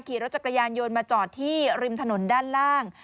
ขี่รถจักรยานยนต์มาจอดที่ริมถนนด้านล่าง